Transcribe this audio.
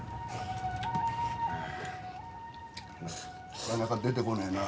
なかなか出てこねえな。